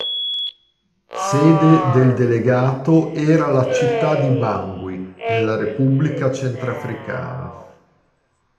Sede del delegato era la città di Bangui, nella Repubblica Centrafricana.